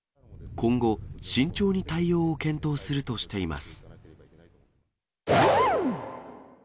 今後、慎重に対応を検討するとしています。